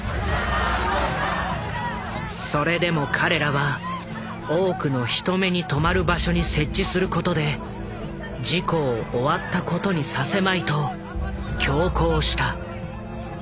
それでも彼らは多くの人目に留まる場所に設置することで事故を終わったことにさせまいと強行した。